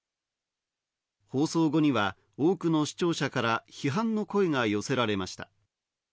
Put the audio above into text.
放送後には多くの視聴者から批判の声が寄せられました。